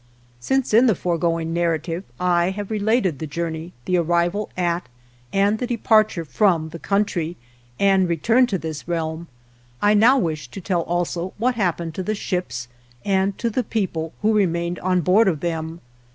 Since, in the foregoing narrative, I have related the Journey, the arrival at, and the departure from, the country, and return to this realm, I now wish to* tell also what hap pened to the ships and to the people who remained on board of them.